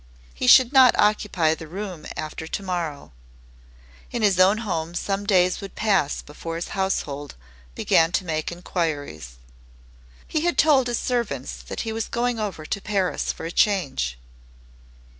He should not occupy the room after to morrow. In his own home some days would pass before his household began to make inquiries. He had told his servants that he was going over to Paris for a change.